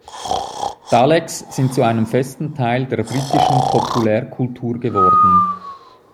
Daleks sind zu einem festen Teil der britischen Populärkultur geworden.